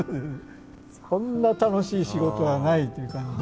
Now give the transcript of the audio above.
こんな楽しい仕事はないという感じ。